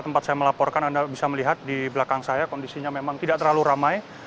tempat saya melaporkan anda bisa melihat di belakang saya kondisinya memang tidak terlalu ramai